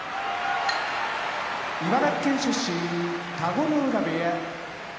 茨城県出身田子ノ浦部屋